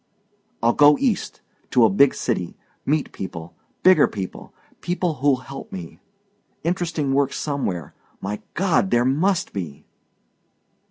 "I'll go East to a big city meet people bigger people people who'll help me. Interesting work somewhere. My God, there MUST be."